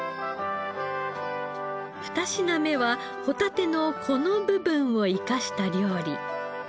２品目はホタテのこの部分を生かした料理。